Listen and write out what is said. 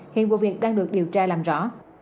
hiện vụ việc đang được điều tra làm rõ